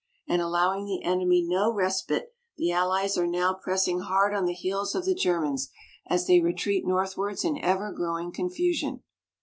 And allowing the enemy no respite, the Allies are now pressing hard on the heels of the Germans as they retreat northwards in ever growing confusion.